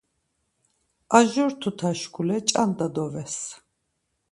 Arjur tuta şkule ç̌anda dovez.